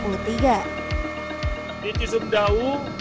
pembangunan dari kota ibu jawa baru